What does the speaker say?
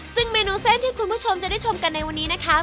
ซึ่งเมนูเส้นที่คุณผู้ชมจะได้ชมกันในวันนี้นะคะ